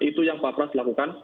itu yang pak pras lakukan